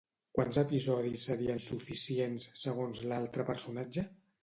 Quants episodis serien suficients, segons l'altre personatge?